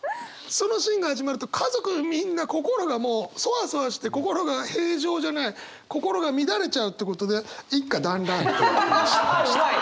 そのシーンが始まると家族みんな心がソワソワして心が平常じゃない心が乱れちゃうってことでうまい！